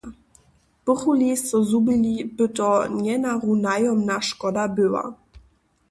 Bychu-li so zhubili, by to njenarunajomna škoda była!